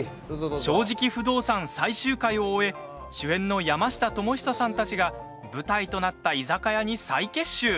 「正直不動産」最終回を終え主演の山下智久さんたちが舞台となった居酒屋に再結集。